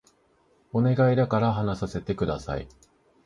お願いだから話させて下さい